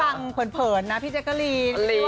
ไม่ได้ฟังเผินนะพี่เจ๊กะลี